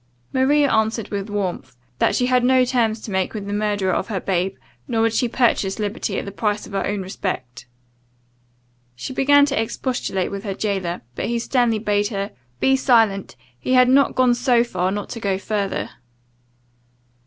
Maria answered with warmth, "That she had no terms to make with the murderer of her babe, nor would she purchase liberty at the price of her own respect." She began to expostulate with her jailor; but he sternly bade her "Be silent he had not gone so far, not to go further."